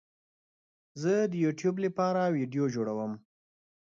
زه د یوټیوب لپاره ویډیو جوړوم